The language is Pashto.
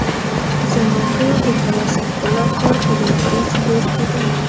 زما کور د کلا سيف الله ښار په لوېديځ لور کې دی.